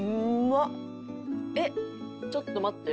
えっちょっと待って。